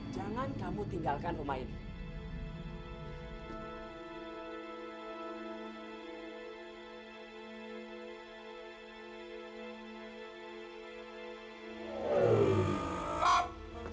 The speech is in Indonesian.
jangan kamu tinggalkan rumah ini